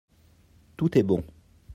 Tout est bon.